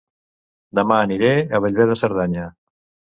Dema aniré a Bellver de Cerdanya